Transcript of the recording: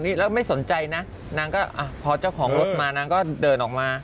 นี่แล้วไม่สนใจนะนางก็พอเจ้าของรถมานางก็เดินออกมา